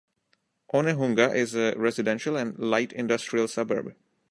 Onehunga is a residential and light-industrial suburb.